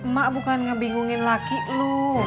mak bukan ngebingungin laki loh